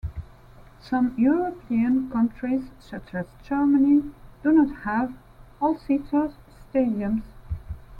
Some European countries, such as Germany, do not have all-seater stadiums.